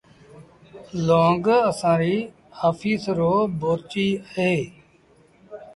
لونگ اسآݩ ري آڦيس رو ڀورچيٚ اهي